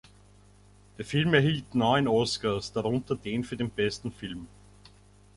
Der Film erhielt neun Oscars, darunter den für den besten Film.